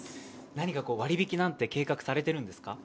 なにか割引なんて計画されているんですか？